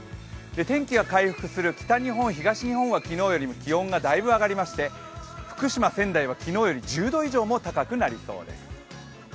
天気が回復する北日本、東日本は気温がだいぶ上がりまして、福島、仙台は昨日よりも１０度以上も高くなりそうです。